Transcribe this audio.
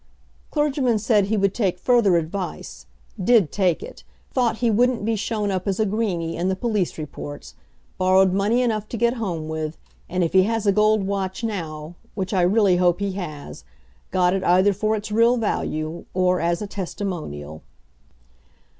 Clergyman said he would take further advice; did take it; thought he wouldn't be shown up as a "greeny" in the police reports; borrowed money enough to get home with, and if he has a gold watch now which I really hope he has got it either for its real value, or as a "testimonial."